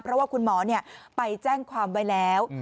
เพราะว่าคุณหมอไปแจ้งความไว้แล้ว